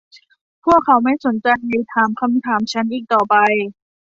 พวกเขาไม่สนใจถามคำถามฉันอีกต่อไป